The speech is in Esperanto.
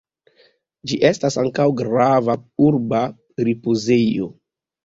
Ĝi estas ankaŭ grava urba ripozejo.